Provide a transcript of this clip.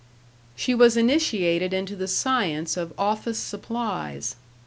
She was initiated into the science of office supplies.